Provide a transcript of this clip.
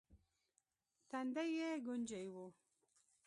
تندی يې ګونجې و.